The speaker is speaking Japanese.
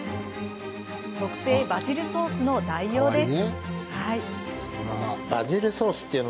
特製バジルソースの代用です。